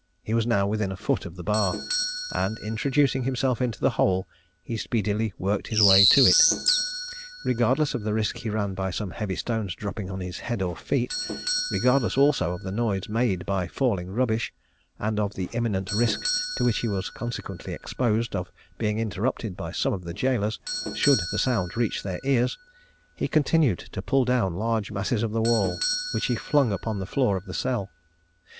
He was now within a foot of the bar, and introducing himself into the hole, he speedily worked his way to it. Regardless of the risk he ran by some heavy stones dropping on his head or feet, regardless also of the noise made by the falling rubbish, and of the imminent risk to which he was consequently exposed of being interrupted by some of the gaolers, should the sound reach their ears, he continued to pull down large masses of the wall, which he flung upon the floor of the cell.